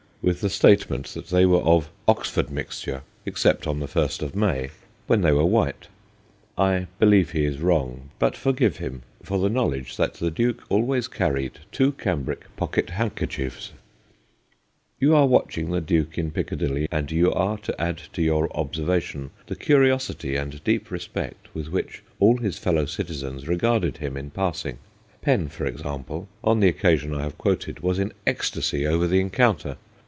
with the statement that they were of ' Oxford mix ture/ except on the first of May, when they 162 THE GHOSTS OF PICCAPILLY were white : I believe he is wrong, but for give him for the knowledge that the Duke always carried two cambric pocket handker chiefs. ... You are watching the Duke in Piccadilly, and you are to add to your observation the curiosity and deep respect with which all his fellow citizens regarded him in passing. Pen, for example, on the occasion I have quoted, was in ecstasy over the encounter.